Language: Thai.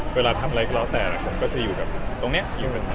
เวลาทำอะไรก็เง่าแต่ผมก็จะอยู่ตรงเนี้ย